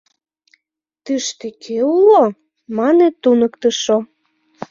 «Тыште кӧ уло?» — мане туныктышо.